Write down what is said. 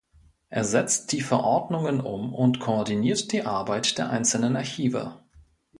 Er setzt die Verordnungen um und koordiniert die Arbeit der einzelnen Archive.